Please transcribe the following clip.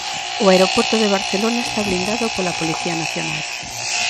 O aeroporto de Barcelona está blindado pola Policía Nacional.